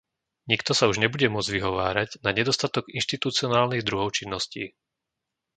Nikto sa už nebude môcť vyhovárať na nedostatok inštitucionálnych druhov činností.